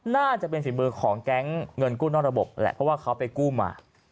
น่าจะเป็นฝีมือของแก๊งเงินกู้นอกระบบแหละเพราะว่าเขาไปกู้มา